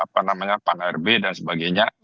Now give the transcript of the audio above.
pak rb dan sebagainya